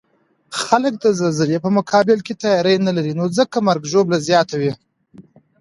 خلک د زلزلې په مقابل کې تیاری نلري، نو ځکه مرګ ژوبله زیاته وی